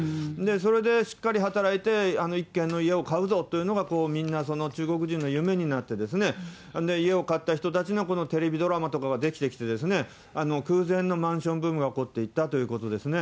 それでしっかり働いて、一軒の家を買うぞというのが、みんな中国人の夢になって、家を買った人たちのテレビドラマとかが出来てきてですね、空前のマンションブームが起こっていったということですね。